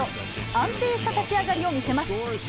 安定した立ち上がりを見せます。